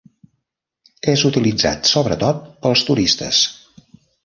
És utilitzat sobretot pels turistes.